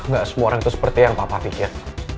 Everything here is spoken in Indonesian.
gak semua orang itu seperti yang papa pikir